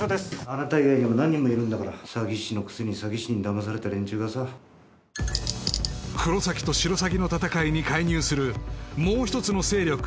あなた以外にも何人もいるんだから詐欺師のくせに詐欺師にダマされた連中がさ黒崎とシロサギの闘いに介入するもう一つの勢力